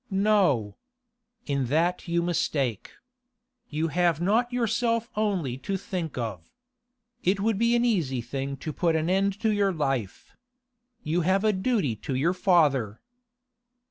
'No. In that you mistake. You have not yourself only to think of. It would be an easy thing to put an end to your life. You have a duty to your father.